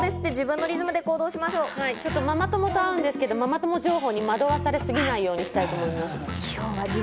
ママ友と会うんですけど、ママ友情報に惑わされすぎないようにしたいと思います。